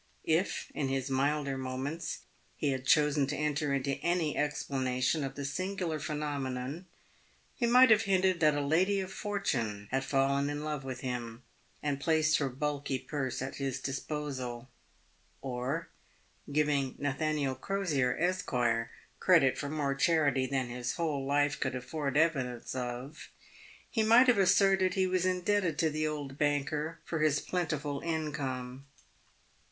If, in his milder moments, he had chosen to enter into any explanation of the singular pheno menon, he might have hinted that a lady of fortune had fallen in love with him, and placed her bulky purse at his disposal, or, giving Na thaniel Crosier, Esq., credit for more charity than his whole life could afford evidence of, he might have asserted he was indebted to the old banker for his plentiful income.